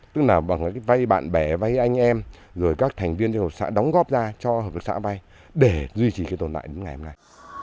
tức là bằng cái vay bạn bè vay anh em rồi các thành viên trong hợp xã đóng góp ra cho hợp tác xã vay để duy trì cái tồn tại đến ngày hôm nay